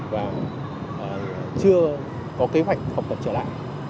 và chưa có kế hoạch học tập trở lại